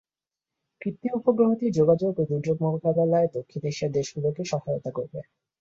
কৃত্রিম উপগ্রহটি যোগাযোগ ও দুর্যোগ মোকাবেলায় দক্ষিণ এশিয়ার দেশগুলোকে সহায়তা করবে।